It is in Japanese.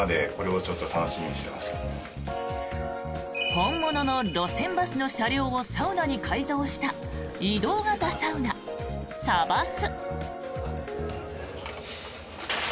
本物の路線バスの車両をサウナに改造した移動型サウナ、サバス。